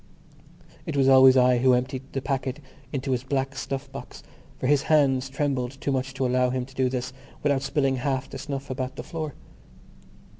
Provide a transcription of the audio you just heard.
It was always I who emptied the packet into his black snuff box for his hands trembled too much to allow him to do this without spilling half the snuff about the floor.